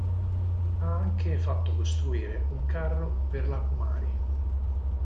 Ha anche fatto costruire un carro per la Kumari.